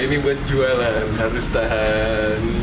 ini buat jualan harus tahan